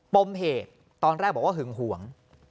ปมเหตุตอนแรกบอกว่าหึงหวง